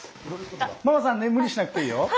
ママさんね無理しなくていいよ。